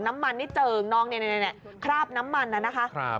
น้ำมันนี่เจิงนองเนี่ยคราบน้ำมันน่ะนะคะ